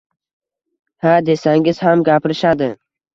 “Ha”, desangiz ham gapirishadi.